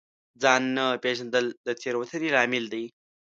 ځان نه پېژندل د تېروتنې لامل دی.